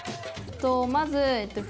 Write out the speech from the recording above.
まず。